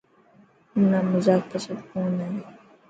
منا مزاڪ پسند ڪونه هي.